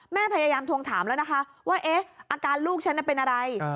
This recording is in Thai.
แม่พยายามทวงถามแล้วนะคะว่าอาการลูกฉันเป็นอะไร